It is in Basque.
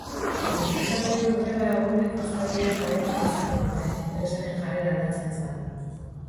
Deitutako hiru greba-egunek uztailean jarraipena izango dute, enpresaren jarrera aldatzen ez bada.